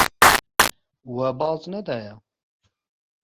Wê baz nedaye.